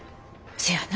せやな。